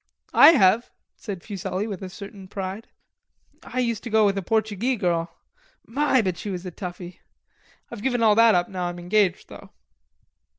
"I have," said Fuselli, with a certain pride. "I used to go with a Portugee girl. My but she was a toughie. I've given all that up now I'm engaged, though....